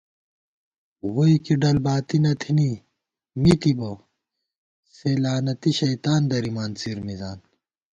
ووئی کی ڈل باتی نہ تھنی مِتِبہ سےلعنتی شیطان درِمان څِرمِزان